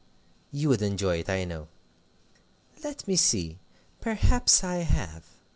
You would enjoy it, I know. Let me see perhaps I have."